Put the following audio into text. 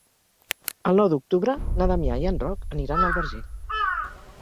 El nou d'octubre na Damià i en Roc aniran al Verger.